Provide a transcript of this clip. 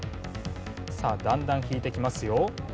さあだんだん引いてきますよ。